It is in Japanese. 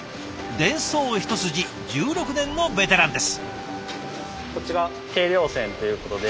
電装一筋１６年のベテランです。